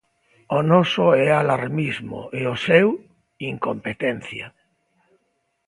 O noso é alarmismo e o seu, incompetencia.